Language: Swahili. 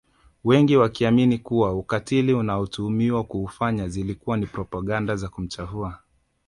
Wengi wakiamini kuwa ukatili anaotuhumiwa kuufanya zilikuwa ni propaganda za kumchafua